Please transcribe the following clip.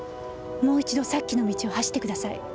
もう一度さっきの道を走ってください。